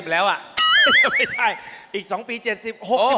แล้วอ่ะไม่ใช่อีก๒ปี๗๐